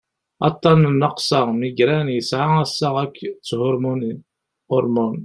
aṭṭan n nnaqsa migraine yesɛa assaɣ akked thurmunin hormones